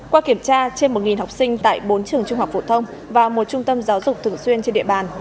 qua kiểm tra trên một học sinh tại bốn trường trung học phổ thông và một trung tâm giáo dục thường xuyên trên địa bàn